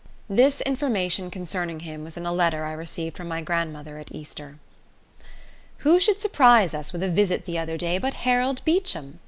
This information concerning him was in a letter I received from my grandmother at Easter: Who should surprise us with a visit the other day but Harold Beecham.